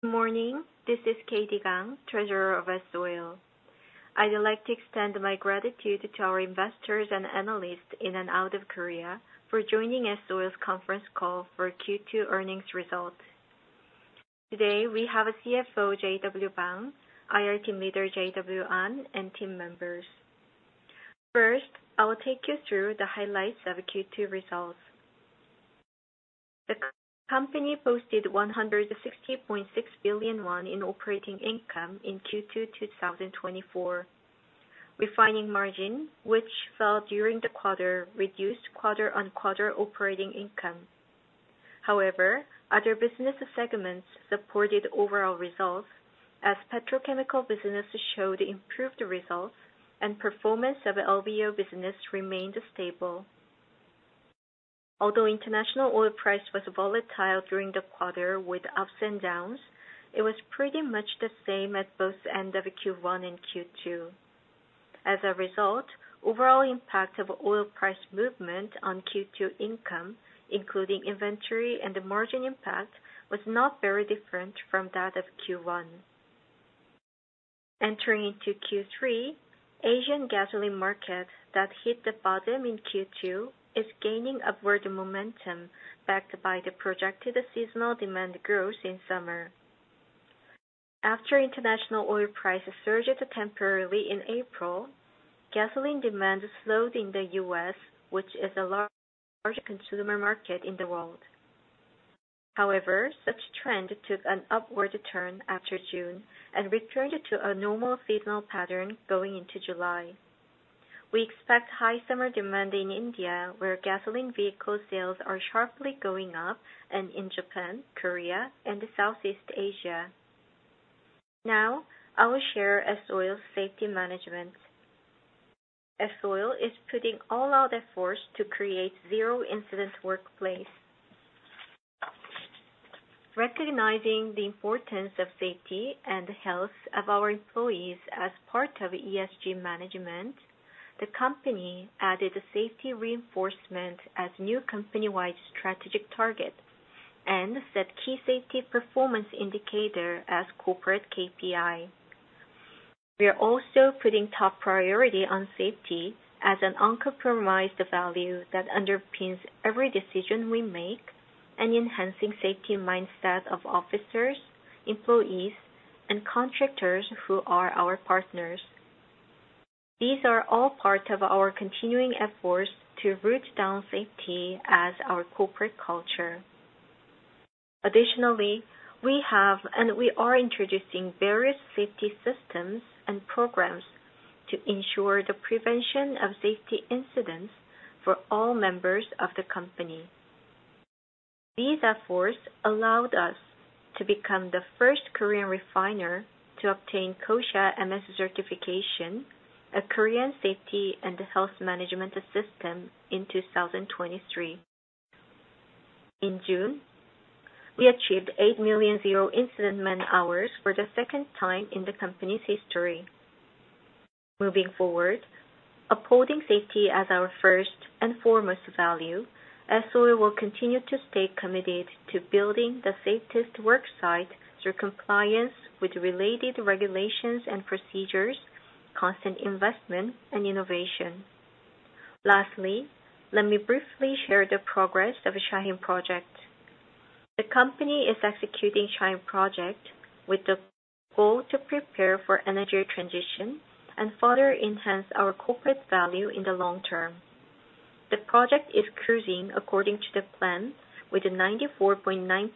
Good morning. This is Katie Kang, Treasurer of S-Oil. I would like to extend my gratitude to our investors and analysts in and out of Korea for joining S-Oil's conference call for Q2 earnings results. Today, we have CFO JW Bang, IR team leader JW An, and team members. First, I will take you through the highlights of Q2 results. The company posted 160.6 billion won in operating income in Q2 2024. Refining margin, which fell during the quarter, reduced quarter-on-quarter operating income. However, other business segments supported overall results as petrochemical business showed improved results and performance of LBO business remained stable. Although international oil price was volatile during the quarter with ups and downs, it was pretty much the same at both end of Q1 and Q2. As a result, overall impact of oil price movement on Q2 income, including inventory and the margin impact, was not very different from that of Q1. Entering into Q3, Asian gasoline market that hit the bottom in Q2 is gaining upward momentum, backed by the projected seasonal demand growth in summer. After international oil price surged temporarily in April, gasoline demand slowed in the U.S., which is a large consumer market in the world. However, such trend took an upward turn after June and returned to a normal seasonal pattern going into July. We expect high summer demand in India, where gasoline vehicle sales are sharply going up, and in Japan, Korea, and Southeast Asia. Now, I will share S-Oil's safety management. S-Oil is putting all-out efforts to create zero incident workplace. Recognizing the importance of safety and the health of our employees as part of ESG management, the company added a safety reinforcement as new company-wide strategic target and set key safety performance indicator as corporate KPI. We are also putting top priority on safety as an uncompromised value that underpins every decision we make and enhancing safety mindset of officers, employees, and contractors who are our partners. These are all part of our continuing efforts to root down safety as our corporate culture. Additionally, we have and we are introducing various safety systems and programs to ensure the prevention of safety incidents for all members of the company. These efforts allowed us to become the first Korean refiner to obtain KOSHA-MS certification, a Korean safety and health management system in 2023. In June, we achieved 8 million zero incident man-hours for the second time in the company's history. Moving forward, upholding safety as our first and foremost value, S-Oil will continue to stay committed to building the safest work site through compliance with related regulations and procedures, constant investment, and innovation. Lastly, let me briefly share the progress of Shaheen project. The company is executing Shaheen project with the goal to prepare for energy transition and further enhance our corporate value in the long term. The project is cruising according to the plan with a 94.9%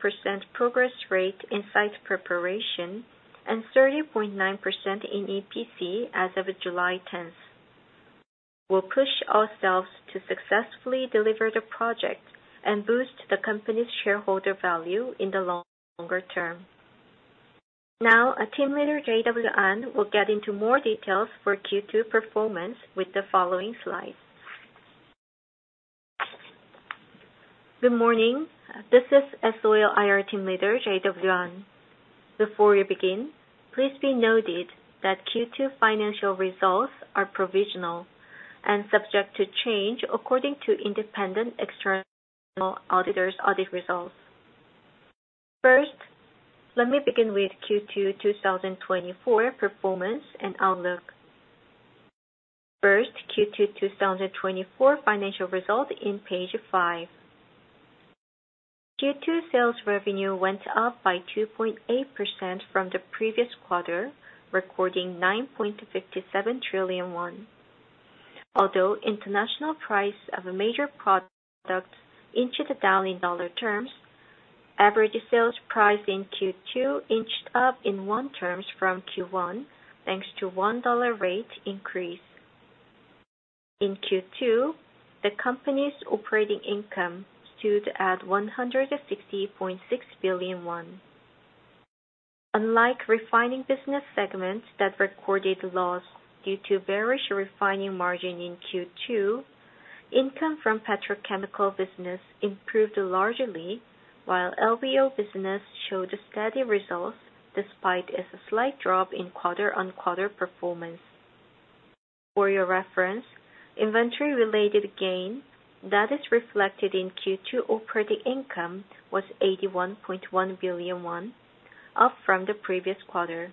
progress rate in site preparation and 30.9% in EPC as of July 10th. We'll push ourselves to successfully deliver the project and boost the company's shareholder value in the longer term. Now, our team leader, JW An, will get into more details for Q2 performance with the following slides. Good morning. This is S-Oil IR team leader, JW An. Before we begin, please be noted that Q2 financial results are provisional and subject to change according to independent external auditors' audit results. First, let me begin with Q2 2024 performance and outlook. First, Q2 2024 financial result in page five. Q2 sales revenue went up by 2.8% from the previous quarter, recording 9.57 trillion won. Although international price of a major product inched down in dollar terms, average sales price in Q2 inched up in won terms from Q1, thanks to one dollar rate increase. In Q2, the company's operating income stood at 160.6 billion won. Unlike refining business segments that recorded loss due to bearish refining margin in Q2, income from petrochemical business improved largely, while LBO business showed steady results despite a slight drop in quarter-on-quarter performance. For your reference, inventory related gain that is reflected in Q2 operating income was 81.1 billion won, up from the previous quarter.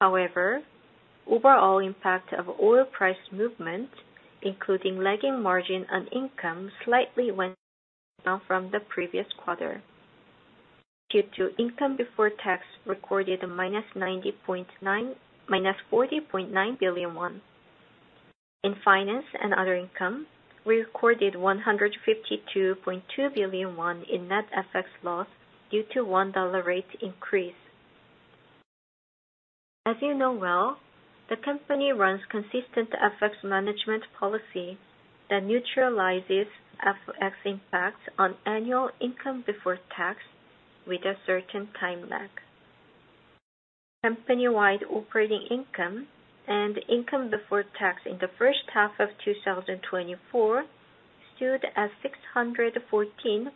However, overall impact of oil price movement, including lagging margin on income, slightly went down from the previous quarter. Q2 income before tax recorded a -40.9 billion won. In finance and other income, we recorded 152.2 billion won in net FX loss due to one dollar rate increase. As you know well, the company runs consistent FX management policy that neutralizes FX impacts on annual income before tax with a certain time lag. Company-wide operating income and income before tax in the first half of 2024 stood at 614.8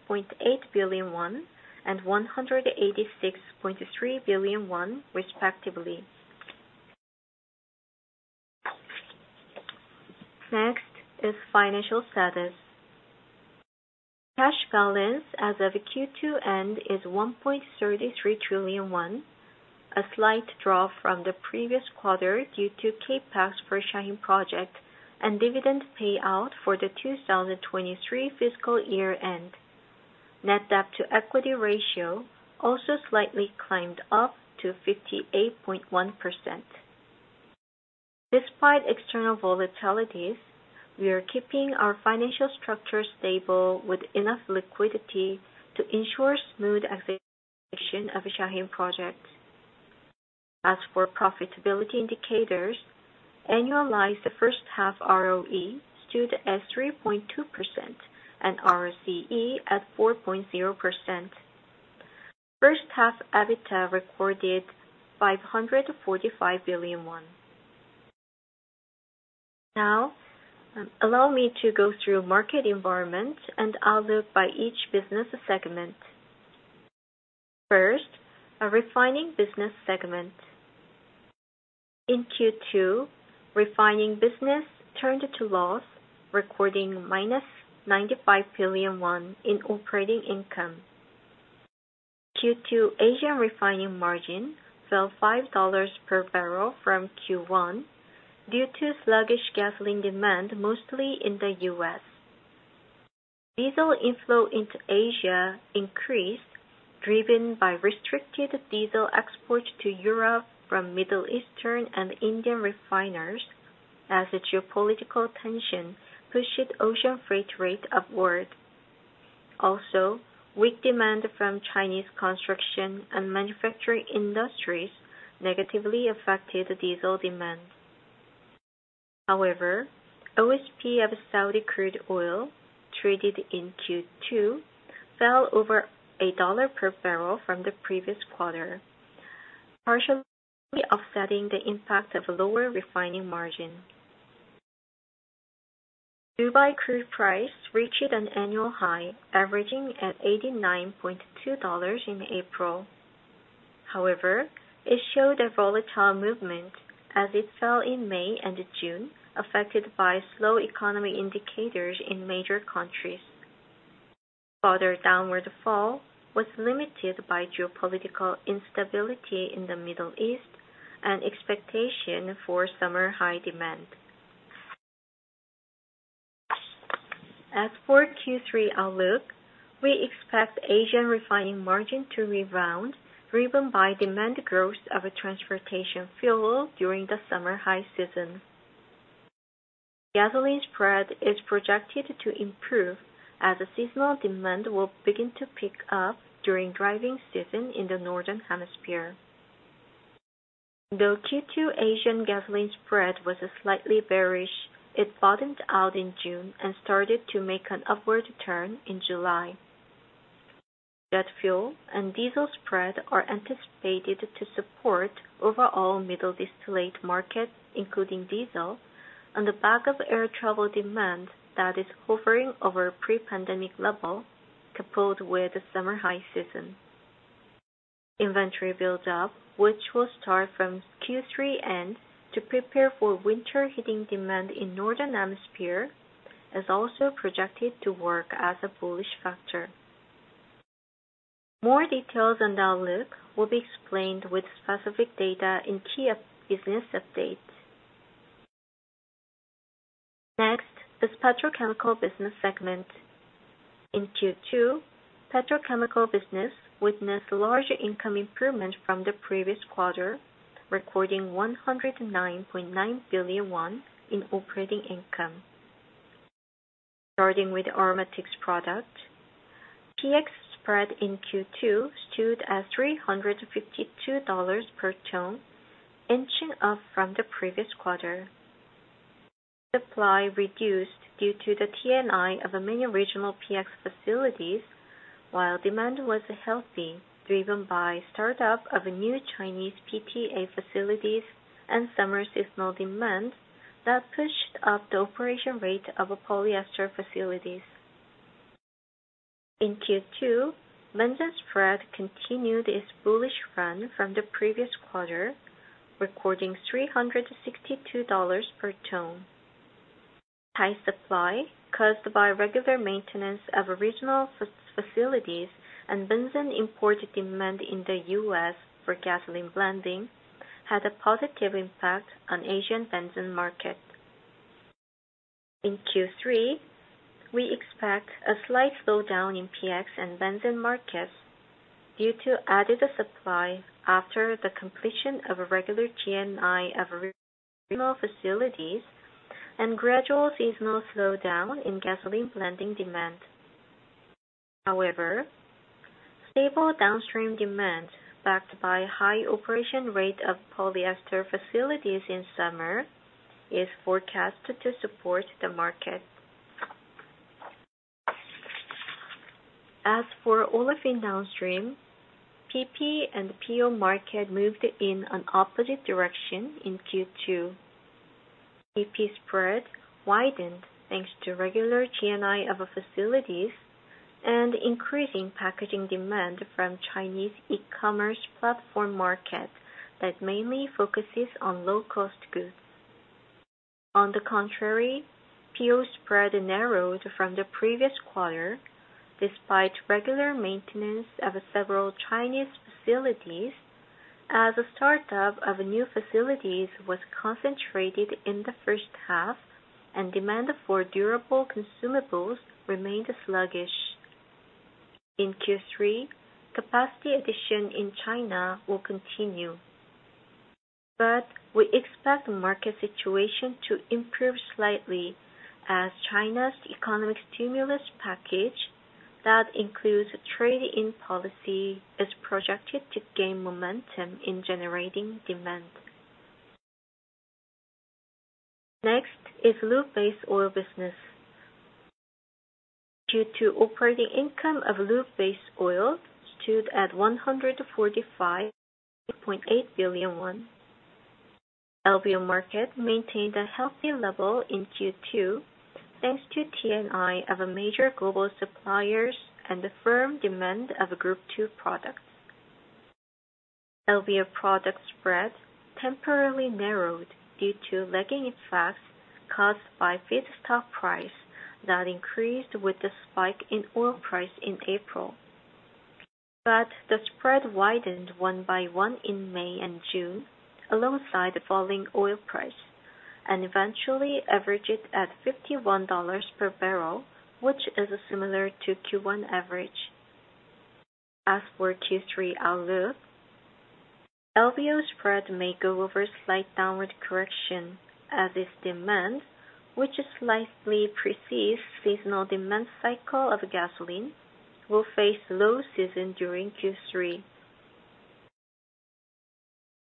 billion won and 186.3 billion won, respectively. Next is financial status. Cash balance as of Q2 end is 1.33 trillion won, a slight drop from the previous quarter due to CapEx for Shaheen project and dividend payout for the 2023 fiscal year-end. Net debt-to-equity ratio also slightly climbed up to 58.1%. Despite external volatilities, we are keeping our financial structure stable with enough liquidity to ensure smooth execution of Shaheen projects. As for profitability indicators, annualized the first half ROE stood at 3.2% and ROCE at 4.0%. First half EBITDA recorded 545 billion won. Now, allow me to go through market environment and outlook by each business segment. First, our refining business segment. In Q2, refining business turned to loss, recording -95 billion won in operating income. Q2 Asian refining margin fell $5 per barrel from Q1 due to sluggish gasoline demand, mostly in the U.S. Diesel inflow into Asia increased, driven by restricted diesel exports to Europe from Middle Eastern and Indian refiners, as the geopolitical tension pushed ocean freight rate upward. Also, weak demand from Chinese construction and manufacturing industries negatively affected the diesel demand. However, OSP of Saudi crude oil traded in Q2 fell over a dollar per barrel from the previous quarter, partially offsetting the impact of lower refining margin. Dubai crude price reached an annual high, averaging at $89.2 in April. However, it showed a volatile movement as it fell in May and June, affected by slow economy indicators in major countries. Further downward fall was limited by geopolitical instability in the Middle East and expectation for summer high demand. As for Q3 outlook, we expect Asian refining margin to rebound, driven by demand growth of transportation fuel during the summer high season. Gasoline spread is projected to improve as the seasonal demand will begin to pick up during driving season in the Northern Hemisphere. Though Q2 Asian gasoline spread was slightly bearish, it bottomed out in June and started to make an upward turn in July. Jet fuel and diesel spread are anticipated to support overall middle distillate market, including diesel, on the back of air travel demand that is hovering over pre-pandemic level, coupled with the summer high season. Inventory build-up, which will start from Q3 end to prepare for winter heating demand in Northern Hemisphere, is also projected to work as a bullish factor. More details on the outlook will be explained with specific data in key business updates. Next, the petrochemical business segment. In Q2, petrochemical business witnessed large income improvement from the previous quarter, recording 109.9 billion KRW in operating income. Starting with aromatics product, PX spread in Q2 stood at KRW 352 per ton, inching up from the previous quarter. Supply reduced due to the T&I of many regional PX facilities, while demand was healthy, driven by start-up of a new Chinese PTA facility and summer seasonal demand that pushed up the operation rate of polyester facilities. In Q2, benzene spread continued its bullish run from the previous quarter, recording KRW 362 per ton. High supply caused by regular maintenance of regional facilities and benzene import demand in the U.S. for gasoline blending had a positive impact on Asian benzene market. In Q3, we expect a slight slowdown in PX and benzene markets due to added supply after the completion of a regular G&I of a regional facility and gradual seasonal slowdown in gasoline blending demand. Stable downstream demand, backed by high operation rate of polyester facilities in summer, is forecast to support the market. As for olefin downstream, PP and PO market moved in an opposite direction in Q2. PP spread widened, thanks to regular G&I of facilities and increasing packaging demand from Chinese e-commerce platform market that mainly focuses on low-cost goods. On the contrary, PO spread narrowed from the previous quarter despite regular maintenance of several Chinese facilities, as the startup of new facilities was concentrated in the first half and demand for durable consumables remained sluggish. In Q3, capacity addition in China will continue. We expect the market situation to improve slightly as China's economic stimulus package, that includes a trade-in policy, is projected to gain momentum in generating demand. Next is lube base oil business. Q2 operating income of lube base oil stood at 145.8 billion KRW. LBO market maintained a healthy level in Q2, thanks to T&I of major global suppliers and the firm demand of Group II products. LBO product spread temporarily narrowed due to lagging effects caused by feedstock price that increased with the spike in oil price in April. The spread widened one by one in May and June, alongside falling oil price, and eventually averaged at KRW 51 per barrel, which is similar to Q1 average. As for Q3 outlook, LBO spread may go over a slight downward correction as its demand, which slightly precedes seasonal demand cycle of gasoline, will face low season during Q3.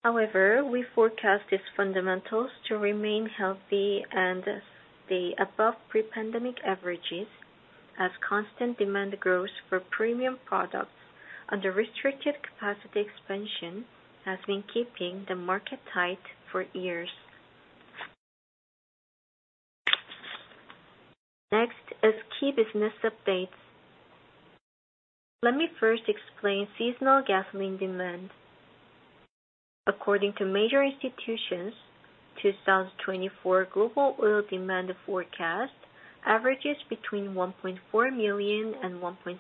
We forecast its fundamentals to remain healthy and stay above pre-pandemic averages as constant demand growth for premium products under restricted capacity expansion has been keeping the market tight for years. Next is key business updates. Let me first explain seasonal gasoline demand. According to major institutions, 2024 global oil demand forecast averages between 1.4 million and 1.6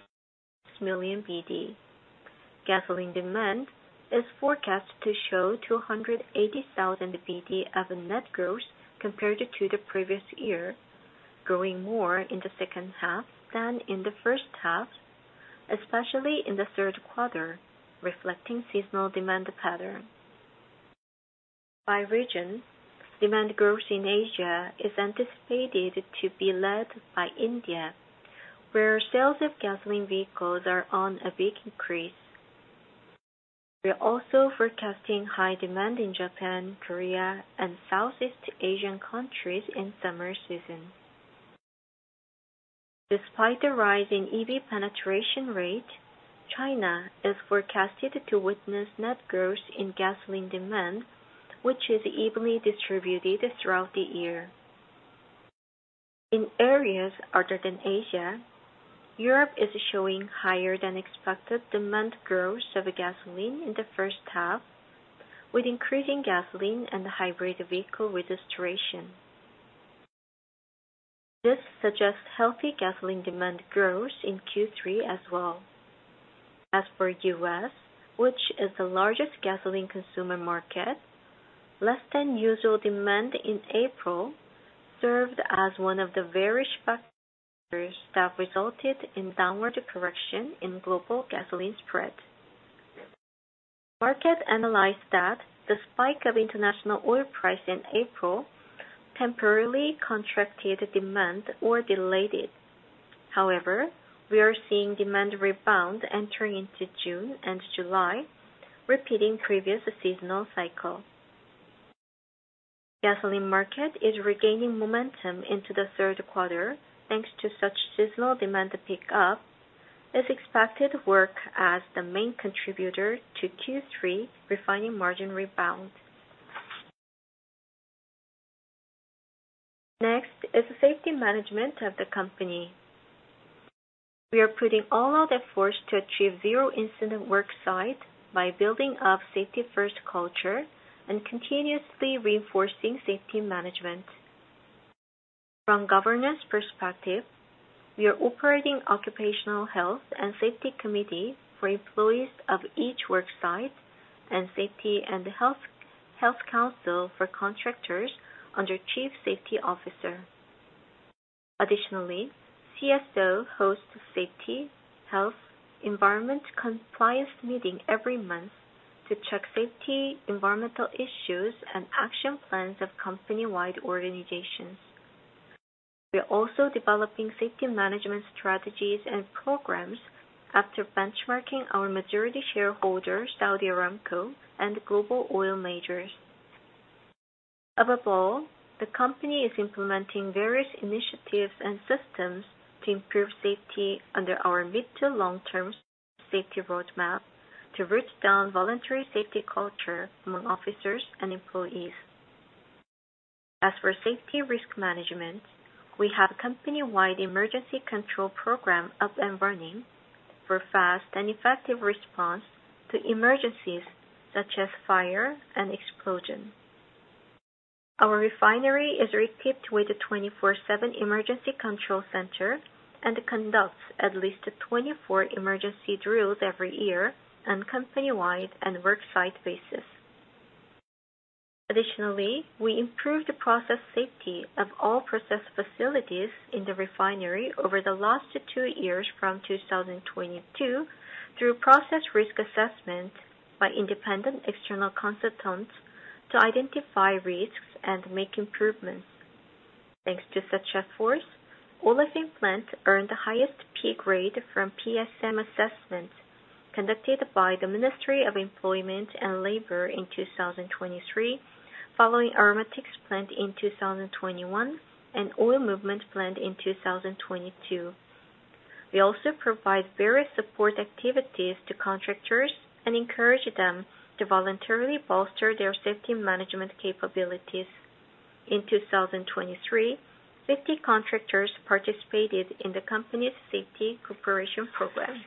million BD. Gasoline demand is forecast to show 280,000 BD of net growth compared to the previous year, growing more in the second half than in the first half, especially in the third quarter, reflecting seasonal demand pattern. By region, demand growth in Asia is anticipated to be led by India, where sales of gasoline vehicles are on a big increase. We are also forecasting high demand in Japan, Korea, and Southeast Asian countries in summer season. Despite the rise in EV penetration rate, China is forecasted to witness net growth in gasoline demand, which is evenly distributed throughout the year. In areas other than Asia, Europe is showing higher than expected demand growth of gasoline in the first half, with increasing gasoline and hybrid vehicle registration. This suggests healthy gasoline demand growth in Q3 as well. As for U.S., which is the largest gasoline consumer market, less than usual demand in April served as one of the various factors that resulted in downward correction in global gasoline spread. Market analyzed that the spike of international oil price in April temporarily contracted demand or delayed it. However, we are seeing demand rebound entering into June and July, repeating previous seasonal cycle. Gasoline market is regaining momentum into the third quarter thanks to such seasonal demand pick up, is expected work as the main contributor to Q3 refining margin rebound. Next is the safety management of the company. We are putting all out efforts to achieve zero incident work site by building up safety first culture and continuously reinforcing safety management. From governance perspective, we are operating occupational health and safety committee for employees of each work site, and safety and health council for contractors under Chief Safety Officer. Additionally, CSO hosts safety, health, environment compliance meeting every month to check safety, environmental issues and action plans of company-wide organizations. We are also developing safety management strategies and programs after benchmarking our majority shareholder, Saudi Aramco, and global oil majors. Above all, the company is implementing various initiatives and systems to improve safety under our mid to long-term safety roadmap to root down voluntary safety culture among officers and employees. As for safety risk management, we have a company-wide emergency control program up and running for fast and effective response to emergencies such as fire and explosion. Our refinery is equipped with a 24/7 emergency control center and conducts at least 24 emergency drills every year on company-wide and work site basis. Additionally, we improved the process safety of all process facilities in the refinery over the last two years from 2022 through process risk assessment by independent external consultants to identify risks and make improvements. Thanks to such efforts, Olefin plant earned the highest P grade from PSM assessment conducted by the Ministry of Employment and Labor in 2023, following Aromatics plant in 2021 and Oil Movement plant in 2022. We also provide various support activities to contractors and encourage them to voluntarily bolster their safety management capabilities. In 2023, 50 contractors participated in the company's safety cooperation program.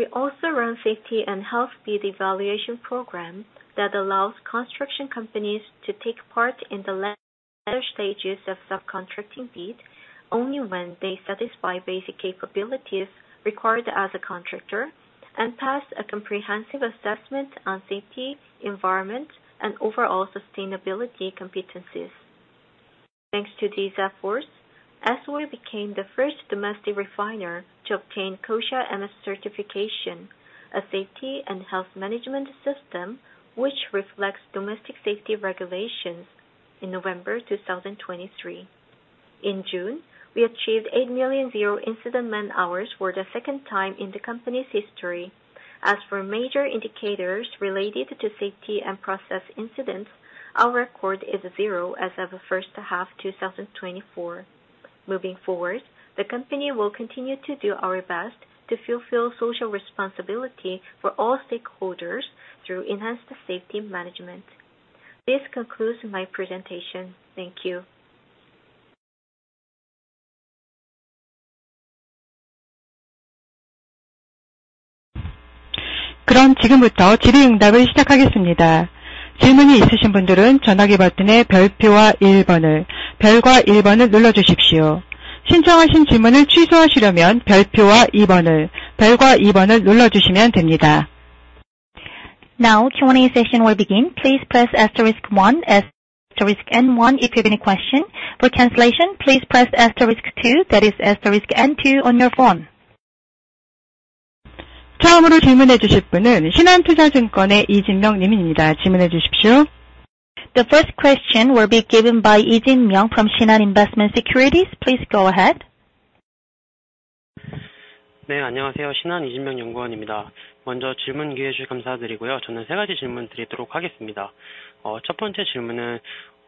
We also run safety and health bid evaluation program that allows construction companies to take part in the latter stages of subcontracting bid, only when they satisfy basic capabilities required as a contractor and pass a comprehensive assessment on safety, environment, and overall sustainability competencies. Thanks to these efforts, S-Oil became the first domestic refiner to obtain KOSHA-MS certification, a safety and health management system which reflects domestic safety regulations in November 2023. In June, we achieved 8 million zero incident man-hours for the second time in the company's history. As for major indicators related to safety and process incidents, our record is zero as of first half 2024. Moving forward, the company will continue to do our best to fulfill social responsibility for all stakeholders through enhanced safety management. This concludes my presentation. Thank you. Q&A session will begin. Please press asterisk one, asterisk and one if you have any question. For cancellation, please press asterisk two, that is asterisk and two on your phone. The first question will be given by Ijin Myung from Shinhan Investment Securities. Please go ahead. 네, 안녕하세요. 신한 이진명 연구원입니다. 먼저 질문 기회 주셔서 감사드리고요. 저는 세 가지 질문드리도록 하겠습니다. 첫 번째 질문은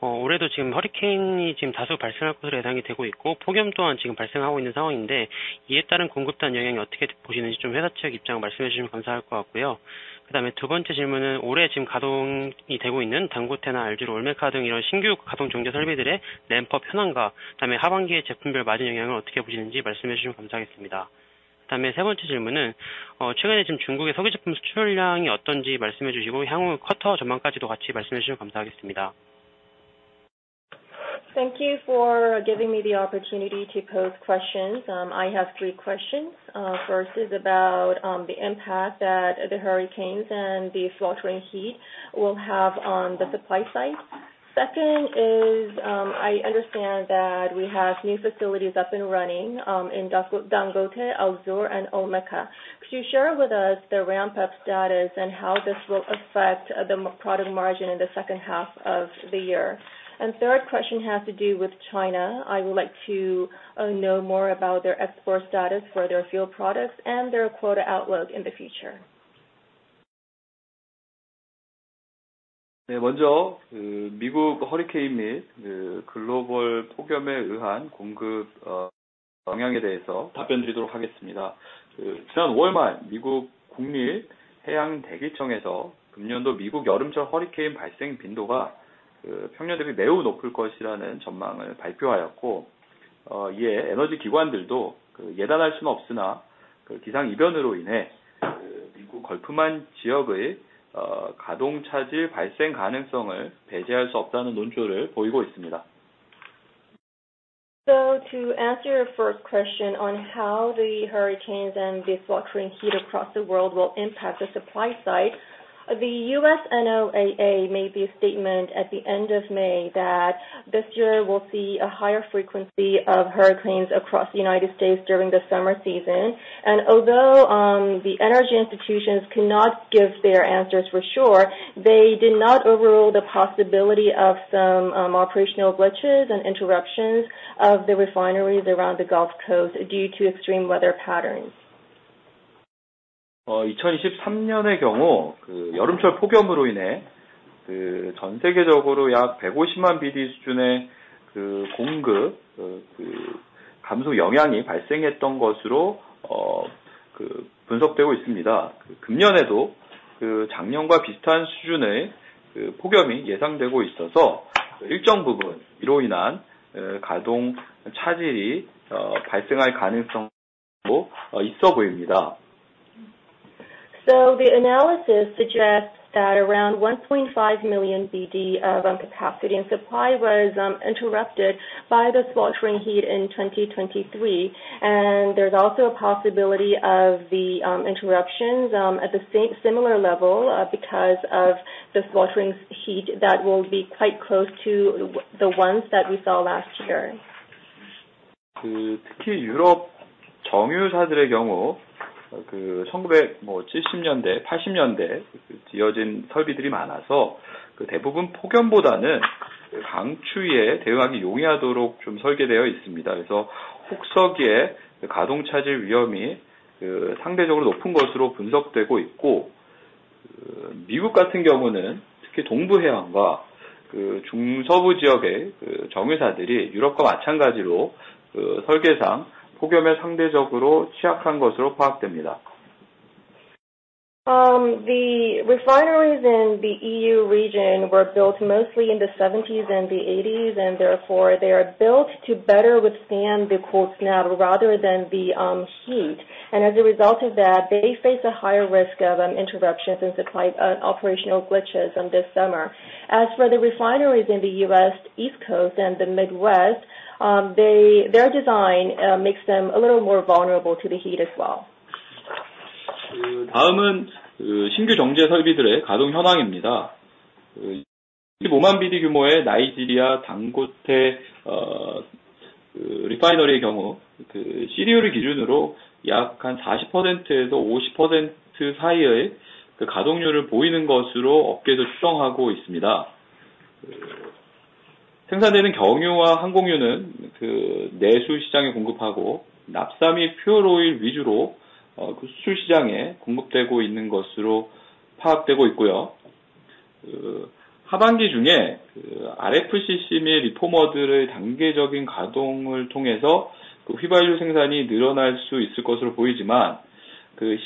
올해도 지금 허리케인이 다수 발생할 것으로 예상이 되고 있고 폭염 또한 지금 발생하고 있는 상황인데 이에 따른 공급단 영향이 어떻게 보시는지 회사 측 입장을 말씀해 주시면 감사할 것 같고요. 그다음에 두 번째 질문은 올해 지금 가동이 되고 있는 당고테나 알주르, 올메카 등 이런 신규 가동 정제 설비들의 램프업 현황과 그다음에 하반기에 제품별 마진 영향을 어떻게 보시는지 말씀해 주시면 감사하겠습니다. 그다음에 세 번째 질문은 최근에 지금 중국의 석유 제품 수출량이 어떤지 말씀해 주시고 향후 쿼터 전망까지도 같이 말씀해 주시면 감사하겠습니다. Thank you for giving me the opportunity to pose questions. I have three questions. First is about the impact that the hurricanes and the sweltering heat will have on the supply side. Second is, I understand that we have new facilities up and running in Dangote, Al Zour, and Olmeca. Could you share with us the ramp up status and how this will affect the product margin in the second half of the year? Third question has to do with China. I would like to know more about their export status for their fuel products and their quota outlook in the future. 먼저 미국 허리케인 및 글로벌 폭염에 의한 공급 영향에 대해서 답변드리도록 하겠습니다. 지난 5월 말 미국 국립해양대기청에서 금년도 미국 여름철 허리케인 발생 빈도가 평년 대비 매우 높을 것이라는 전망을 발표하였고, 이에 에너지 기관들도 예단할 수는 없으나 기상 이변으로 인해 미국 걸프만 지역의 가동 차질 발생 가능성을 배제할 수 없다는 논조를 보이고 있습니다. To answer your first question on how the hurricanes and the sweltering heat across the world will impact the supply side, the U.S. NOAA made the statement at the end of May that this year will see a higher frequency of hurricanes across the United States during the summer season. Although the energy institutions cannot give their answers for sure, they did not overrule the possibility of some operational glitches and interruptions of the refineries around the Gulf Coast due to extreme weather patterns. 2023년의 경우 여름철 폭염으로 인해 전 세계적으로 약 150만 b/d 수준의 공급 감소 영향이 발생했던 것으로 분석되고 있습니다. 금년에도 작년과 비슷한 수준의 폭염이 예상되고 있어서 일정 부분 이로 인한 가동 차질이 발생할 가능성도 있어 보입니다. The analysis suggests that around 1.5 million b/d of capacity and supply was interrupted by the sweltering heat in 2023. There's also a possibility of the interruptions at the similar level because of the sweltering heat that will be quite close to the ones that we saw last year. 특히 유럽 정유사들의 경우 1970년대, 80년대 지어진 설비들이 많아서 대부분 폭염보다는 강추위에 대응하기 용이하도록 설계되어 있습니다. 그래서 혹서기에 가동 차질 위험이 상대적으로 높은 것으로 분석되고 있고, 미국 같은 경우는 특히 동부 해안과 중서부 지역의 정유사들이 유럽과 마찬가지로 설계상 폭염에 상대적으로 취약한 것으로 파악됩니다. The refineries in the EU region were built mostly in the '70s and the '80s, and therefore they are built to better withstand the cold snap rather than the heat. As a result of that, they face a higher risk of interruptions and supply operational glitches this summer. As for the refineries in the U.S. East Coast and the Midwest, their design makes them a little more vulnerable to the heat as well. 다음은 신규 정제 설비들의 가동 현황입니다. 15만 b/d 규모의 나이지리아 Dangote Refinery의 경우, CDU를 기준으로 약 40%에서 50% 사이의 가동률을 보이는 것으로 업계에서 추정하고 있습니다. 생산되는 경유와 항공유는 내수 시장에 공급하고, 납사 및 퓨어 오일 위주로 수출 시장에 공급되고 있는 것으로 파악되고 있고요. 하반기 중에 RFCC 및 리포머들의 단계적인 가동을 통해서 휘발유 생산이 늘어날 수 있을 것으로 보이지만,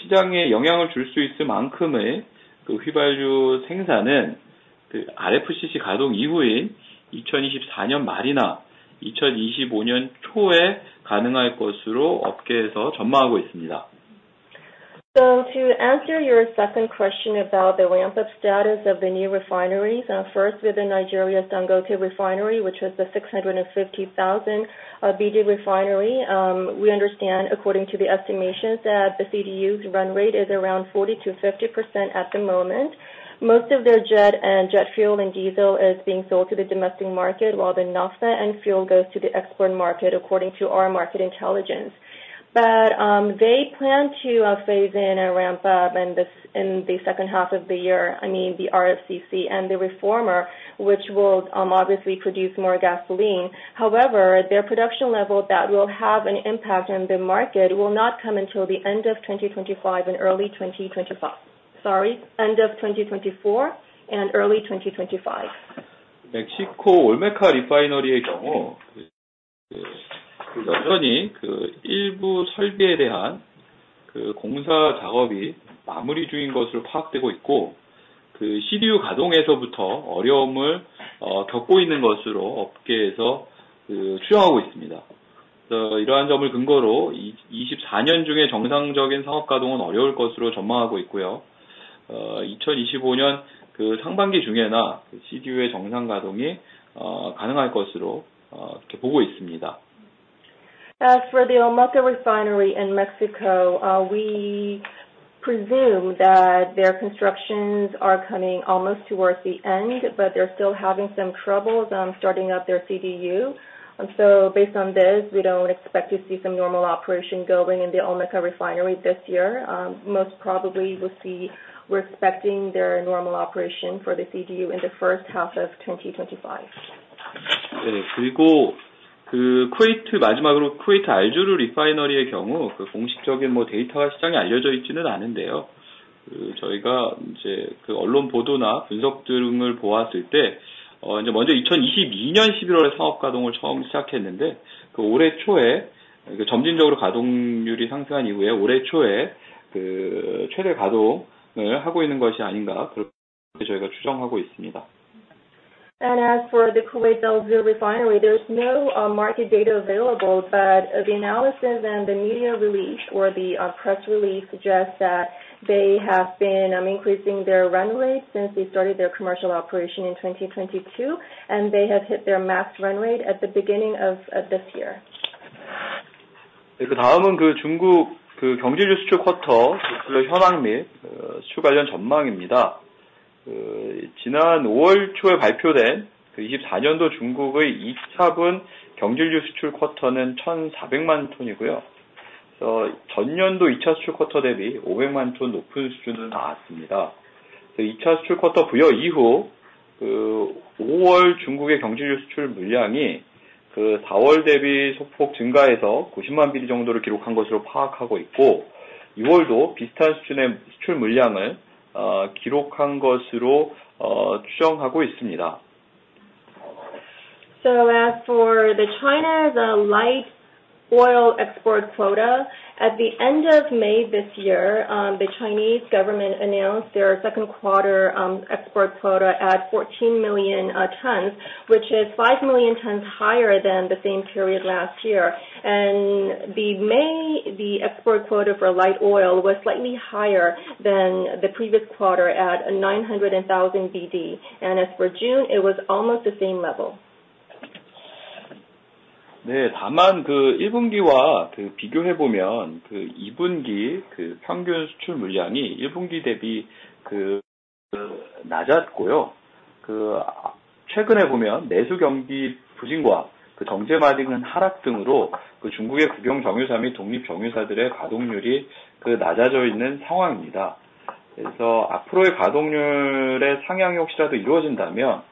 시장에 영향을 줄수 있을 만큼의 휘발유 생산은 RFCC 가동 이후인 2024년 말이나 2025년 초에 가능할 것으로 업계에서 전망하고 있습니다. To answer your second question about the ramp up status of the new refineries, first with the Dangote Refinery, which was the 650,000 b/d refinery. We understand according to the estimations that the CDU run rate is around 40%-50% at the moment. Most of their jet fuel and diesel is being sold to the domestic market, while the naphtha and fuel goes to the export market according to our market intelligence. They plan to phase in a ramp up in the second half of the year. I mean, the RFCC and the reformer, which will obviously produce more gasoline. However, their production level that will have an impact on the market will not come until the end of 2024 and early 2025. 멕시코 Olmeca Refinery의 경우, 현지 일부 설비에 대한 공사 작업이 마무리 중인 것으로 파악되고 있고, CDU 가동에서부터 어려움을 겪고 있는 것으로 업계에서 추정하고 있습니다. 이러한 점을 근거로 24년 중에 정상적인 사업 가동은 어려울 것으로 전망하고 있고요. 2025년 상반기 중에나 CDU의 정상 가동이 가능할 것으로 보고 있습니다. As for the Olmeca Refinery in Mexico, we presume that their constructions are coming almost towards the end, but they're still having some troubles starting up their CDU. Based on this, we don't expect to see some normal operation going in the Olmeca Refinery this year. Most probably, we're expecting their normal operation for the CDU in the first half of 2025. 그리고 마지막으로 쿠웨이트 Al Zour Refinery의 경우, 공식적인 데이터가 시장에 알려져 있지는 않은데요. 저희가 언론 보도나 분석들을 보았을 때, 먼저 2022년 11월에 사업 가동을 처음 시작했는데, 점진적으로 가동률이 상승한 이후에 올해 초에 최대 가동을 하고 있는 것이 아닌가, 그렇게 저희가 추정하고 있습니다. As for the Kuwait Al Zour refinery, there is no market data available. The analysis and the media release or the press release suggests that they have been increasing their run rate since they started their commercial operation in 2022, and they have hit their max run rate at the beginning of this year. 그다음은 중국 경질유 수출 쿼터 현황 및 수출 관련 전망입니다. 지난 5월 초에 발표된 24년도 중국의 2차분 경질유 수출 쿼터는 1,400만 톤이고요. 전년도 2차 수출 쿼터 대비 500만 톤 높은 수준으로 나왔습니다. 2차 수출 쿼터 부여 이후 5월 중국의 경질유 수출 물량이 4월 대비 소폭 증가해서 90만 배럴 정도를 기록한 것으로 파악하고 있고, 6월도 비슷한 수준의 수출 물량을 기록한 것으로 추정하고 있습니다. As for the China light oil export quota at the end of May this year, the Chinese government announced their second quarter export quota at 14 million tons, which is 5 million tons higher than the same period last year. The May export quota for light oil was slightly higher than the previous quarter at 900,000 BD. As for June, it was almost the same level. 다만 1분기와 비교해 보면 2분기 평균 수출 물량이 1분기 대비 낮았고요. 최근에 보면 내수경기 부진과 정제마진 하락 등으로 중국의 국영 정유사 및 독립 정유사들의 가동률이 낮아져 있는 상황입니다. 앞으로의 가동률 상향이 혹시라도 이루어진다면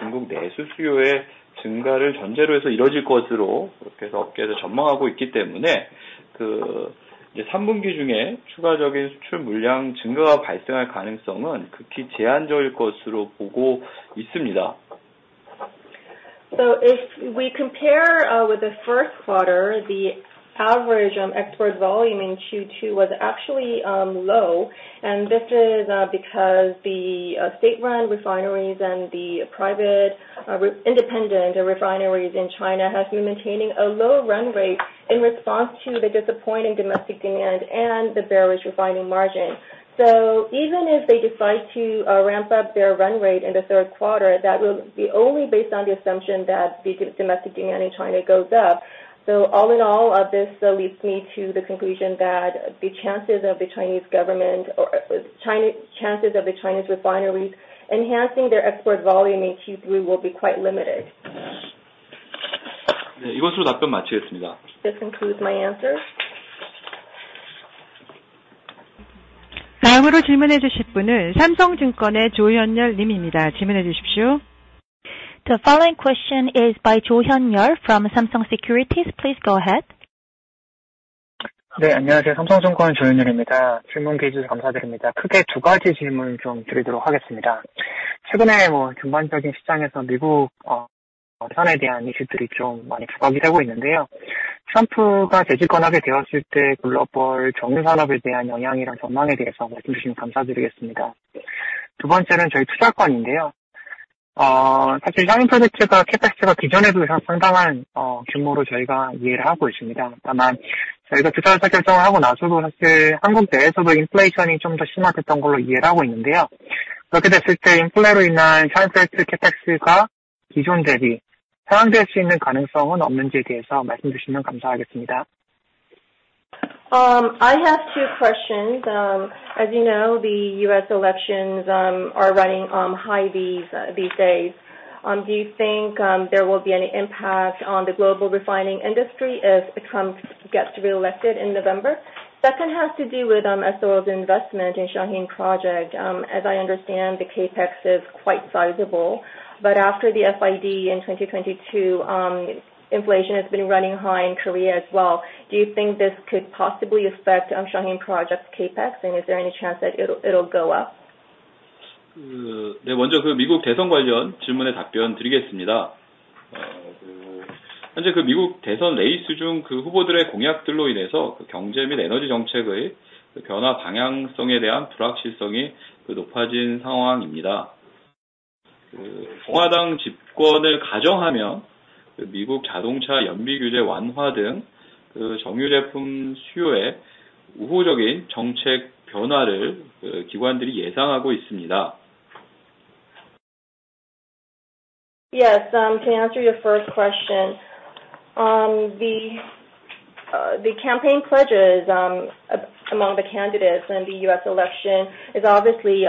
중국 내수 수요의 증가를 전제로 해서 이루어질 것으로 업계에서 전망하고 있기 때문에, 3분기 중에 추가적인 수출 물량 증가가 발생할 가능성은 극히 제한적일 것으로 보고 있습니다. If we compare with the first quarter, the average export volume in Q2 was actually low. This is because the state-run refineries and the private independent refineries in China have been maintaining a low run rate in response to the disappointing domestic demand and the bearish refining margin. Even if they decide to ramp up their run rate in the third quarter, that will be only based on the assumption that the domestic demand in China goes up. All in all of this leads me to the conclusion that the chances of the Chinese refineries enhancing their export volume in Q3 will be quite limited. 이것으로 답변 마치겠습니다. This concludes my answer. 다음으로 질문해 주실 분은 삼성증권의 조현열 님입니다. 질문해 주십시오. The following question is by 조현열 from Samsung Securities. Please go ahead. 네, 안녕하세요. 삼성증권 조현열입니다. 질문 기회 주셔서 감사드립니다. 크게 두 가지 질문을 드리도록 하겠습니다. 최근에 전반적인 시장에서 미국 선에 대한 이슈들이 많이 부각이 되고 있는데요. 트럼프가 재집권하게 되었을 때 글로벌 정유 산업에 대한 영향이랑 전망에 대해서 말씀주시면 감사드리겠습니다. 두 번째는 저희 투자 건인데요. 사실 Shaheen 프로젝트가 CapEx가 기존에도 상당한 규모로 저희가 이해를 하고 있습니다. 다만 저희가 FID 결정을 하고 나서도 사실 한국 내에서도 인플레이션이 좀더 심화됐던 걸로 이해를 하고 있는데요. 그렇게 됐을 때 인플레로 인한 Shaheen 프로젝트 CapEx가 기존 대비 상향될 수 있는 가능성은 없는지에 대해서 말씀주시면 감사하겠습니다. I have two questions. As you know, the U.S. elections are running high these days. Do you think there will be any impact on the global refining industry if Trump gets reelected in November? Second has to do with S-Oil's investment in Shaheen project. As I understand, the CapEx is quite sizable, but after the FID in 2022, inflation has been running high in Korea as well. Do you think this could possibly affect Shaheen project's CapEx? Is there any chance that it'll go up? 먼저 미국 대선 관련 질문에 답변드리겠습니다. 현재 미국 대선 레이스 중 후보들의 공약들로 인해서 경제 및 에너지 정책의 변화 방향성에 대한 불확실성이 높아진 상황입니다. 공화당 집권을 가정하면 미국 자동차 연비 규제 완화 등 정유제품 수요에 우호적인 정책 변화를 기관들이 예상하고 있습니다. Yes. To answer your first question, the campaign pledges among the candidates in the U.S. election is obviously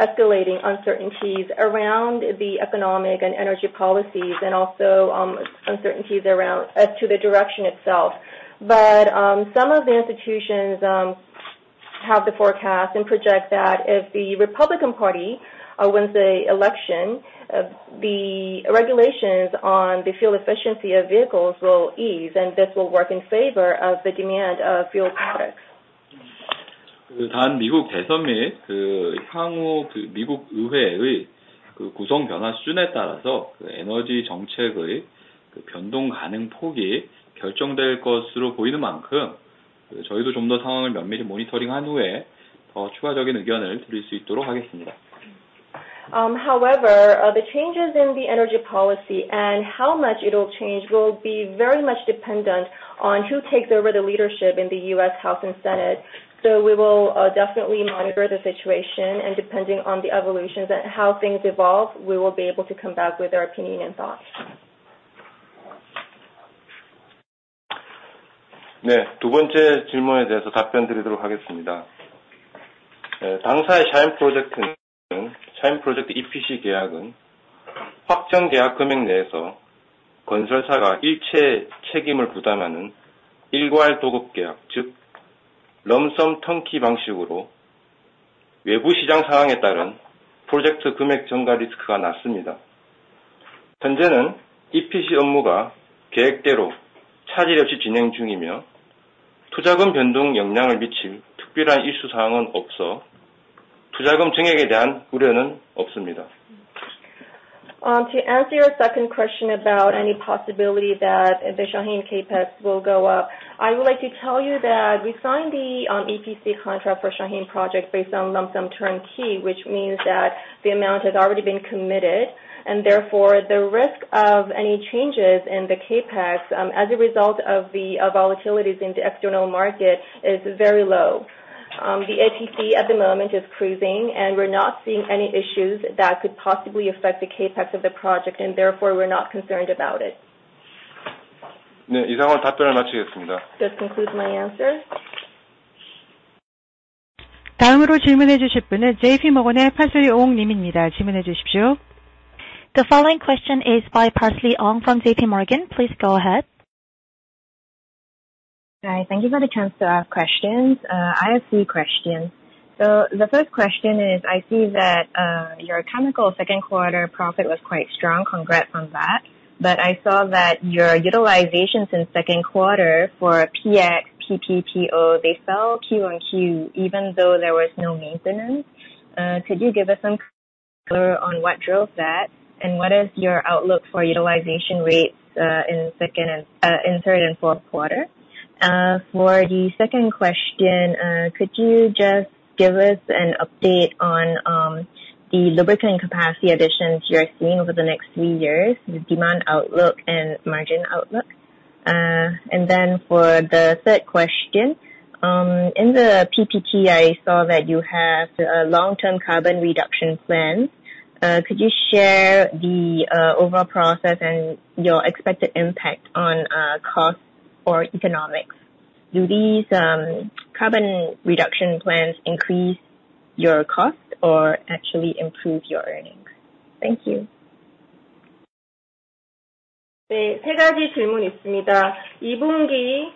escalating uncertainties around the economic and energy policies and also uncertainties as to the direction itself. Some of the institutions have the forecast and project that if the Republican Party wins the election, the regulations on the fuel efficiency of vehicles will ease, and this will work in favor of the demand of fuel products. 단, 미국 대선 및 향후 미국 의회의 구성 변화 수준에 따라서 에너지 정책의 변동 가능 폭이 결정될 것으로 보이는 만큼, 저희도 좀더 상황을 면밀히 모니터링한 후에 더 추가적인 의견을 드릴 수 있도록 하겠습니다. However, the changes in the energy policy and how much it will change will be very much dependent on who takes over the leadership in the U.S. House and Senate. We will definitely monitor the situation and depending on the evolutions and how things evolve, we will be able to come back with our opinion and thoughts. 네, 두 번째 질문에 대해서 답변드리도록 하겠습니다. 당사의 Shaheen 프로젝트 EPC 계약은 확정 계약 금액 내에서 건설사가 일체의 책임을 부담하는 일괄도급계약, 즉 lump sum turnkey 방식으로 외부 시장 상황에 따른 프로젝트 금액 증가 리스크가 낮습니다. 현재는 EPC 업무가 계획대로 차질 없이 진행 중이며, 투자금 변동 영향을 미칠 특별한 이슈 사항은 없어 투자금 증액에 대한 우려는 없습니다. To answer your second question about any possibility that the Shaheen CapEx will go up, I would like to tell you that we signed the EPC contract for Shaheen project based on lump sum turnkey, which means that the amount has already been committed and therefore the risk of any changes in the CapEx as a result of the volatilities in the external market is very low. The EPC at the moment is cruising, and we're not seeing any issues that could possibly affect the CapEx of the project, and therefore we're not concerned about it. 네, 이상으로 답변을 마치겠습니다. This concludes my answer. 다음으로 질문해 주실 분은 JP Morgan의 Parsley Ong님입니다. 질문해 주십시오. Hi. Thank you for the chance to ask questions. I have three questions. The first question is, I see that your chemical second quarter profit was quite strong. Congrats on that. I saw that your utilizations in second quarter for PX, PP, PO, they fell Q on Q even though there was no maintenance. Could you give us some color on what drove that, and what is your outlook for utilization rates in third and fourth quarter? For the second question, could you just give us an update on the lubricant capacity additions you are seeing over the next three years, the demand outlook and margin outlook? For the third question, in the PPT I saw that you have a long-term carbon reduction plan. Could you share the overall process and your expected impact on costs or economics? Do these carbon reduction plans increase your cost or actually improve your earnings? Thank you. 네, 세 가지 질문 있습니다. 2분기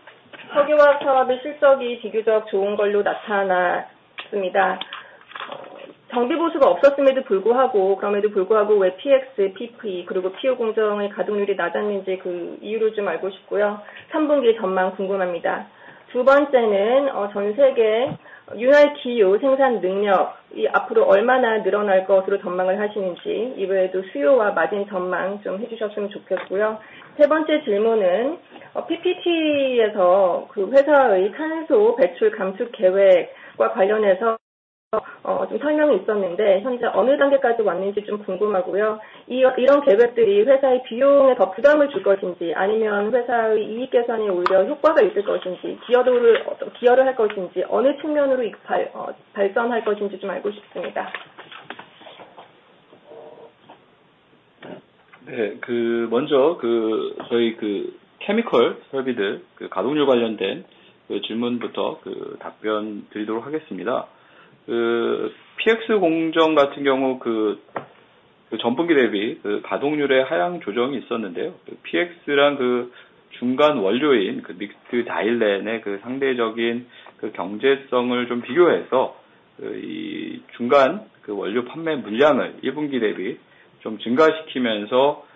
석유화학 산업의 실적이 비교적 좋은 걸로 나타났습니다. 정비 보수가 없었음에도 불구하고 왜 PX, PP, 그리고 PO 공정의 가동률이 낮았는지 그 이유를 알고 싶고요. 3분기 전망 궁금합니다. 두 번째는 전 세계 LBO 기유 생산 능력이 앞으로 얼마나 늘어날 것으로 전망을 하시는지, 이외에도 수요와 마진 전망해 주셨으면 좋겠고요. 세 번째 질문은 PPT에서 회사의 탄소 배출 감축 계획과 관련해서 설명이 있었는데, 현재 어느 단계까지 왔는지 궁금하고요. 이런 계획들이 회사의 비용에 더 부담을 줄 것인지, 아니면 회사의 이익 개선에 오히려 효과가 있을 것인지, 기여를 할 것인지, 어느 측면으로 발산할 것인지 알고 싶습니다. 네, 먼저 저희 Chemical 설비들 가동률 관련된 질문부터 답변드리도록 하겠습니다. PX 공정 같은 경우 전분기 대비 가동률의 하향 조정이 있었는데요. PX랑 중간 원료인 mixed xylenes의 상대적인 경제성을 비교해서 중간 원료 판매 물량을 1분기 대비 증가시키면서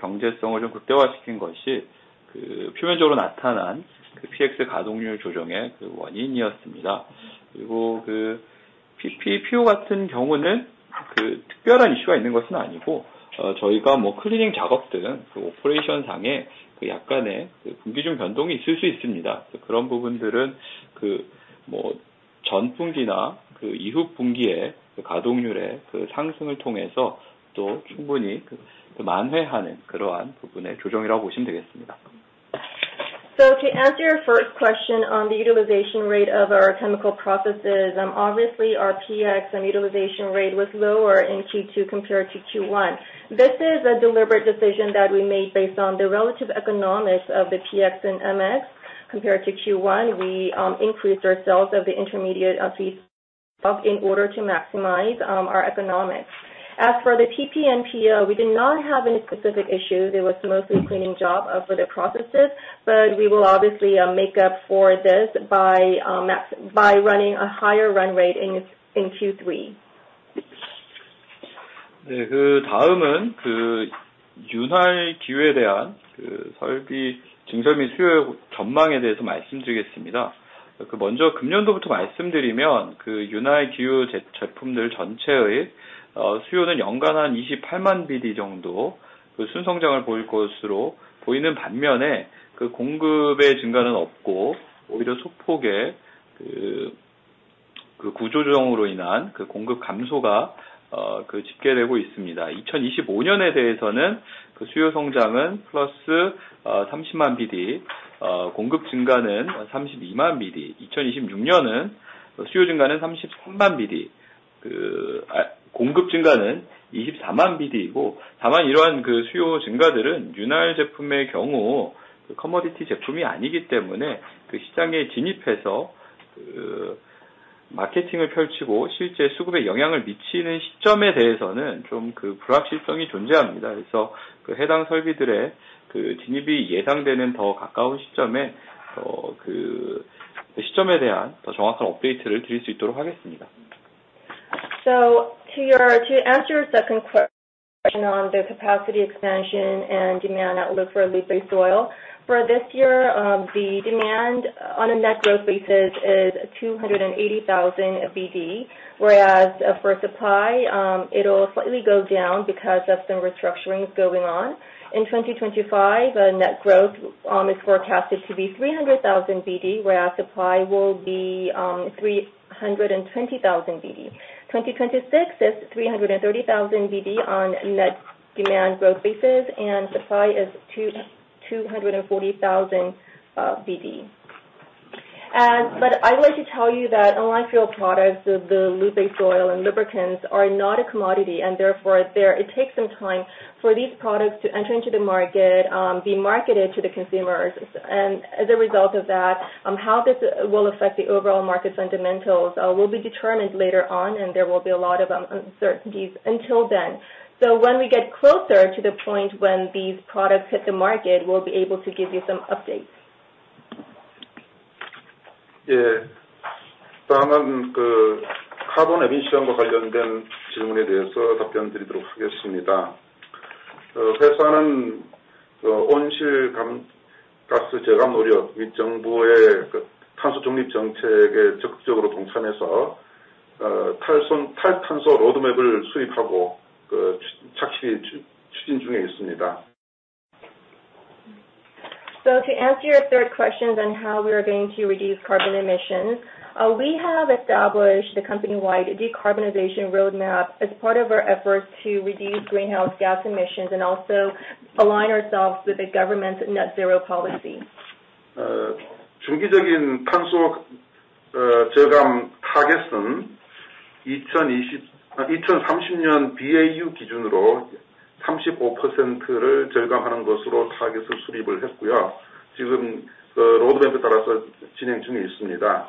경제성을 극대화시킨 것이 표면적으로 나타난 PX 가동률 조정의 원인이었습니다. 그리고 PP, PO 같은 경우는 특별한 이슈가 있는 것은 아니고 저희가 클리닝 작업 등 오퍼레이션 상에 약간의 분기 중 변동이 있을 수 있습니다. 그런 부분들은 전 분기나 이후 분기에 가동률의 상승을 통해서 충분히 만회하는 그러한 부분의 조정이라고 보시면 되겠습니다. To answer your first question on the utilization rate of our chemical processes, obviously our PX and utilization rate was lower in Q2 compared to Q1. This is a deliberate decision that we made based on the relative economics of the PX and MX. Compared to Q1, we increased our sales of the intermediate in order to maximize our economics. As for the PP and PO, we did not have any specific issues. It was mostly cleaning job for the processes, but we will obviously make up for this by running a higher run rate in Q3. 다음은 윤활기유에 대한 설비 증설 및 수요 전망에 대해서 말씀드리겠습니다. 먼저 금년도부터 말씀드리면, 윤활기유 제품들 전체의 수요는 연간 한 28만 BD 정도 순성장을 보일 것으로 보이는 반면에, 공급의 증가는 없고 오히려 소폭의 구조조정으로 인한 공급 감소가 집계되고 있습니다. 2025년에 대해서는 수요 성장은 플러스 30만 BD, 공급 증가는 32만 BD. 2026년은 공급 증가는 24만 BD이고. 다만 이러한 수요 증가들은 윤활 제품의 경우 commodity 제품이 아니기 때문에 그 시장에 진입해서 마케팅을 펼치고 실제 수급에 영향을 미치는 시점에 대해서는 불확실성이 존재합니다. 그래서 해당 설비들의 진입이 예상되는 더 가까운 시점에 대한 더 정확한 업데이트를 드릴 수 있도록 하겠습니다. To answer your second question on the capacity expansion and demand outlook for lube base oil. For this year, the demand on a net growth basis is 280,000 BD, whereas for supply, it'll slightly go down because of some restructurings going on. In 2025, net growth is forecasted to be 300,000 BD, whereas supply will be 320,000 BD. 2026 is 330,000 BD on net demand growth basis, and supply is 240,000 BD. I would like to tell you that unlike fuel products, the lube base oil and lubricants are not a commodity, and therefore it takes some time for these products to enter into the market, be marketed to the consumers. As a result of that, how this will affect the overall market fundamentals will be determined later on, and there will be a lot of uncertainties until then. When we get closer to the point when these products hit the market, we'll be able to give you some updates. 다음은 카본 에미션과 관련된 질문에 대해서 답변드리도록 하겠습니다. 회사는 온실가스 저감 노력 및 정부의 탄소 중립 정책에 적극적으로 동참해서 탈탄소 로드맵을 수립하고 착실히 추진 중에 있습니다. To answer your third question on how we are going to reduce carbon emissions, we have established a company-wide decarbonization roadmap as part of our efforts to reduce greenhouse gas emissions and also align ourselves with the government's net zero policy. 중기적인 탄소 저감 타깃은 2030년 BAU 기준으로 35%를 저감하는 것으로 타깃을 수립했고요. 지금 로드맵에 따라서 진행 중에 있습니다.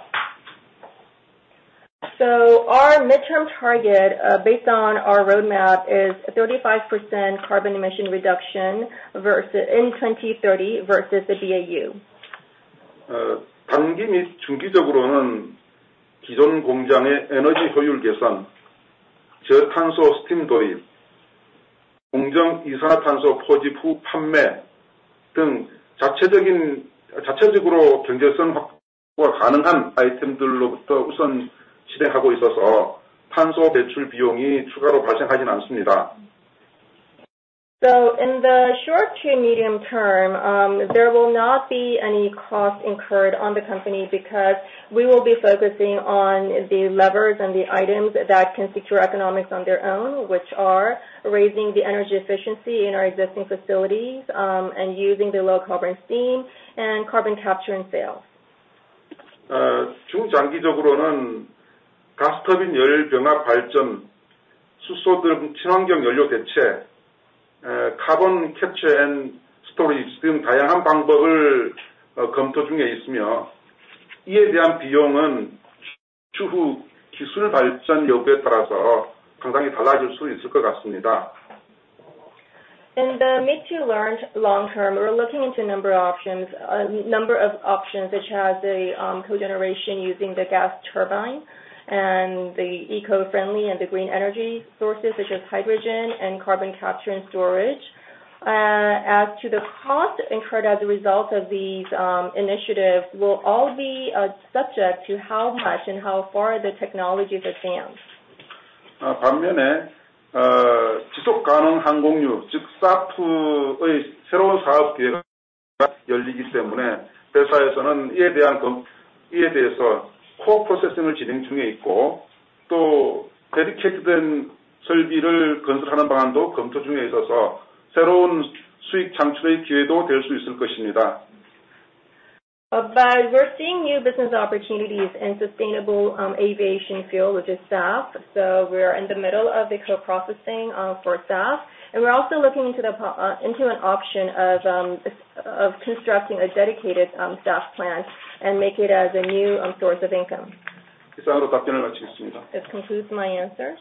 Our midterm target based on our roadmap is 35% carbon emission reduction in 2030 versus the BAU. 단기 및 중기적으로는 기존 공장의 에너지 효율 개선, 저탄소 스팀 도입, 공정 이산화탄소 포집 후 판매 등 자체적으로 경제성 확보가 가능한 아이템들로부터 우선 진행하고 있어서 탄소 배출 비용이 추가로 발생하지는 않습니다. In the short to medium term, there will not be any cost incurred on the company because we will be focusing on the levers and the items that can secure economics on their own, which are raising the energy efficiency in our existing facilities, and using the low carbon steam, and carbon capture and sales. 중장기적으로는 가스터빈 열병합 발전, 수소 등 친환경 연료 대체, carbon capture and storage 등 다양한 방법을 검토 중에 있으며, 이에 대한 비용은 추후 기술 발전 여부에 따라서 상당히 달라질 수 있을 것 같습니다. In the mid to long term, we're looking into a number of options, which has a cogeneration using the gas turbine and the eco-friendly and the green energy sources such as hydrogen and carbon capture and storage. As to the cost incurred as a result of these initiatives will all be subject to how much and how far the technology advance. 반면에 지속 가능 항공유, 즉 SAF의 새로운 사업 기회가 열리기 때문에 회사에서는 이에 대해서 co-processing을 진행 중에 있고, 또 dedicated된 설비를 건설하는 방안도 검토 중에 있어서 새로운 수익 창출의 기회도 될수 있을 것입니다. We're seeing new business opportunities in sustainable aviation fuel, which is SAF. We're in the middle of the co-processing for SAF, and we're also looking into an option of constructing a dedicated SAF plant and make it as a new source of income. 이상으로 답변을 마치겠습니다. This concludes my answer.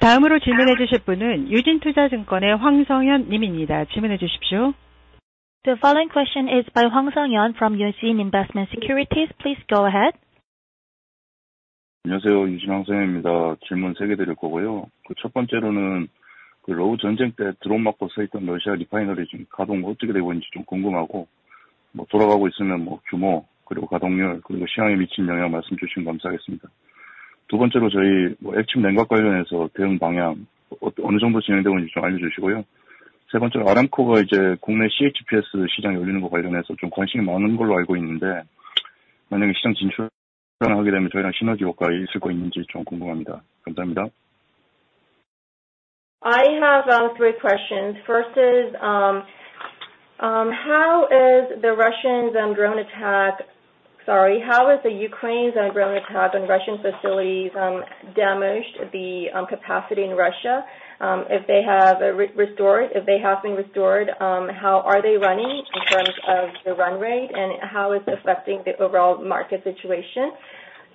다음으로 질문해 주실 분은 유진투자증권의 황성현 님입니다. 질문해 주십시오. The following question is by Hwang Sung-hyun from Eugene Investment & Securities. Please go ahead. 안녕하세요. 유진투자증권 황성현입니다. 질문 세개 드릴 거고요. 첫 번째로는 러우 전쟁 때 드론 맞고 서 있던 러시아 리파이너리 가동 어떻게 되고 있는지 궁금하고, 돌아가고 있으면 규모, 가동률 그리고 시장에 미친 영향 말씀 주시면 감사하겠습니다. 두 번째로 액침 냉각 관련해서 대응 방향이 어느 정도 진행되고 있는지 알려주시고요. 세 번째로 아람코가 국내 CHPS 시장에 올리는 것과 관련해서 관심이 많은 걸로 알고 있는데, 만약에 시장 진출하게 되면 저희랑 시너지 효과가 있을 것 있는지 궁금합니다. 감사합니다. I have three questions. First is, how is the Ukraine's drone attack on Russian facilities damaged the capacity in Russia? If they have been restored, how are they running in terms of the run rate, and how is it affecting the overall market situation?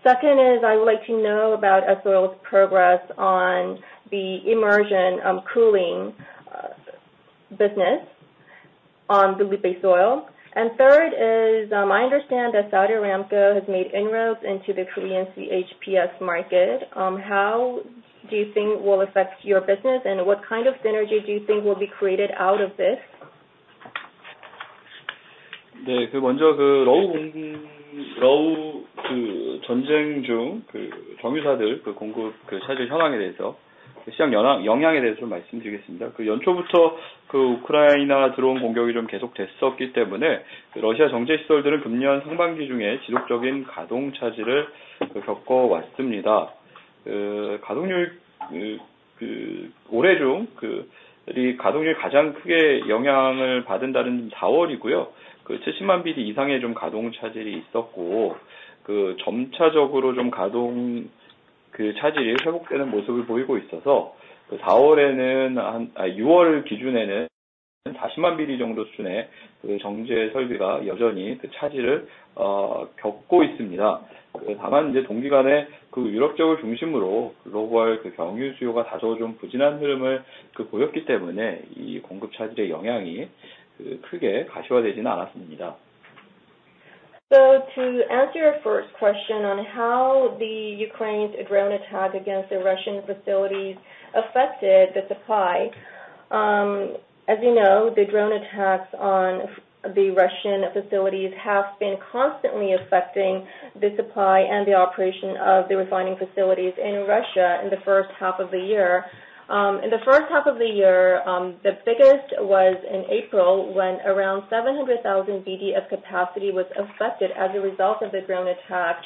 Second is, I would like to know about S-Oil's progress on the immersion cooling business on the lube base oil. Third is, I understand that Saudi Aramco has made inroads into the Korean CHPS market. How do you think will affect your business? What kind of synergy do you think will be created out of this? 먼저 러우 전쟁 중 정유사들 공급 차질 현황에 대해서, 시장 영향에 대해서 말씀드리겠습니다. 연초부터 우크라이나 드론 공격이 계속 됐었기 때문에 러시아 정제 시설들은 금년 상반기 중에 지속적인 가동 차질을 겪어왔습니다. 올해 중 가동률 가장 크게 영향을 받은 달은 4월이고요. 70만 BD 이상의 가동 차질이 있었고, 점차적으로 가동 차질이 회복되는 모습을 보이고 있어서 6월 기준에는 한 40만 BD 정도 수준의 정제 설비가 여전히 차질을 겪고 있습니다. 다만 동기간에 유럽 쪽을 중심으로 글로벌 경유 수요가 다소 부진한 흐름을 보였기 때문에 이 공급 차질의 영향이 크게 가시화되지는 않았습니다. To answer your first question on how the Ukraine's drone attack against the Russian facilities affected the supply. As you know, the drone attacks on the Russian facilities have been constantly affecting the supply and the operation of the refining facilities in Russia in the first half of the year. In the first half of the year, the biggest was in April when around 700,000 BD of capacity was affected as a result of the drone attack.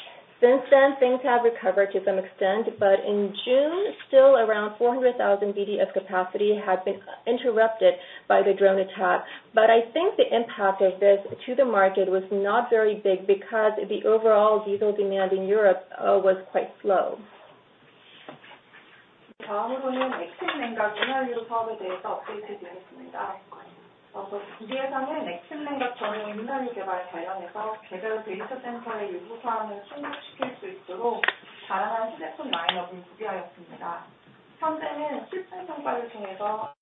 Since then, things have recovered to some extent, but in June, still around 400,000 BD of capacity had been interrupted by the drone attack. I think the impact of this to the market was not very big because the overall diesel demand in Europe was quite slow. 다음으로는 액침 냉각 윤활유 사업에 대해서 업데이트 드리겠습니다. 먼저 우리 회사는 액침 냉각 전용 윤활유 개발 관련해서 개별 데이터센터의 요구 사항을 충족시킬 수 있도록 다양한 휴대폰 라인업을 구비하였습니다. 현재는 실증 평가를 통해서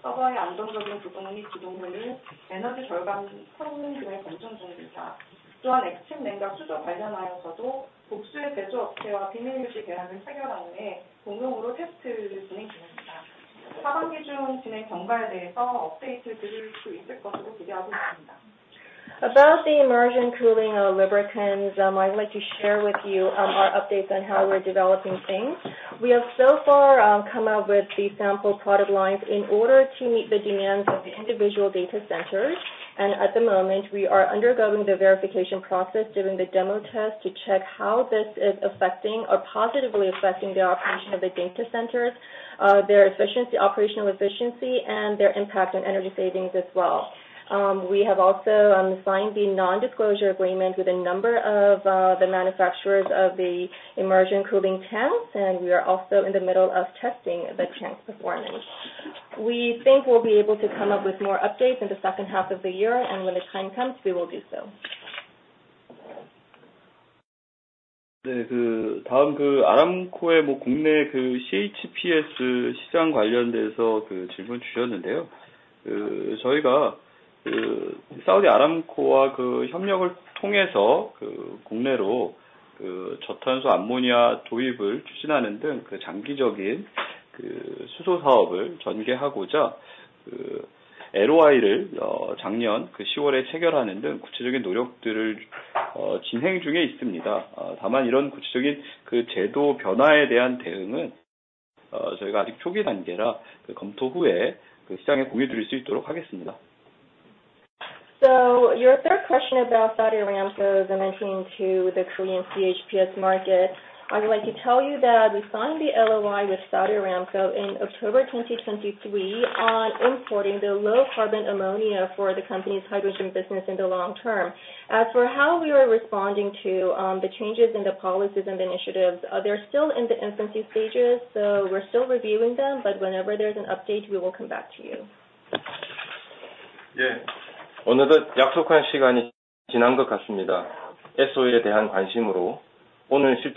서버의 안정적인 구동 및 비등 등의 에너지 절감 성능 등을 검증 중입니다. 또한 액침 냉각 수조 관련하여서도 복수의 제조 업체와 비밀유지계약을 체결한 후에 공동으로 테스트를 진행 중입니다. 하반기 중 진행 경과에 대해서 업데이트를 드릴 수 있을 것으로 기대하고 있습니다. About the immersion cooling of lubricants, I'd like to share with you our updates on how we're developing things. We have so far come out with the sample product lines in order to meet the demands of the individual data centers. At the moment we are undergoing the verification process during the demo test to check how this is affecting or positively affecting the operation of the data centers, their operational efficiency and their impact on energy savings as well. We have also signed the non-disclosure agreement with a number of the manufacturers of the immersion cooling tanks. We are also in the middle of testing the tank's performance. We think we'll be able to come up with more updates in the second half of the year. When the time comes, we will do so. 다음 아람코의 국내 CHPS 시장 관련해서 질문 주셨는데요. 저희가 사우디 아람코와 협력을 통해서 국내로 저탄소 암모니아 도입을 추진하는 등 장기적인 수소 사업을 전개하고자 LOI를 작년 10월에 체결하는 등 구체적인 노력들을 진행 중에 있습니다. 다만 이런 구체적인 제도 변화에 대한 대응은 저희가 아직 초기 단계라 검토 후에 시장에 공유드릴 수 있도록 하겠습니다. Your third question about Saudi Aramco's mentioning to the Korean CHPS market. I would like to tell you that we signed the LOI with Saudi Aramco in October 2023 on importing the low carbon ammonia for the company's hydrogen business in the long term. As for how we are responding to the changes in the policies and initiatives, they're still in the infancy stages, so we're still reviewing them. Whenever there's an update, we will come back to you. 오늘도 약속한 시간이 지난 것 같습니다. S-Oil에 대한 관심으로 오늘 실적 발표에 참여해 주신 투자자와 애널리스트 여러분들께 다시 한번 감사드립니다. 회사는 투명하고 공정한 소통을 위해 최선의 노력을 기울이겠습니다. 추가로 문의하실 점은 당사 IR팀으로 연락 주시기 바랍니다. 이것으로 실적 발표를 마치도록 하겠습니다. 감사합니다. I would like to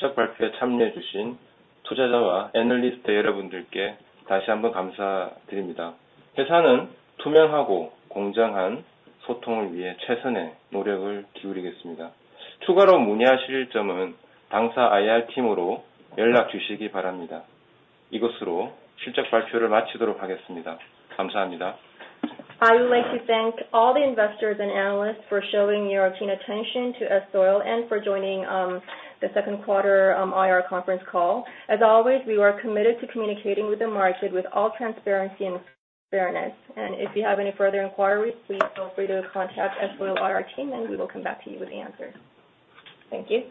thank all the investors and analysts for showing your keen attention to S-Oil and for joining the second quarter IR conference call. As always, we are committed to communicating with the market with all transparency and fairness. If you have any further inquiries, please feel free to contact S-Oil IR team and we will come back to you with the answers. Thank you.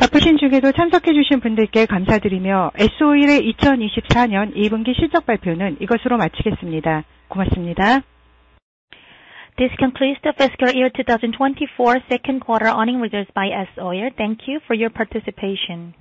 바쁘신 중에도 참석해 주신 분들께 감사드리며 S-Oil의 2024년 2분기 실적 발표는 이것으로 마치겠습니다. 고맙습니다. This concludes the fiscal year 2024 second quarter earning results by S-Oil. Thank you for your participation.